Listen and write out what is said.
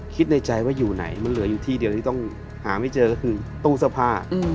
คิดในใจว่าอยู่ไหนมันเหลืออยู่ที่เดียวที่ต้องหาไม่เจอก็คือตู้เสื้อผ้า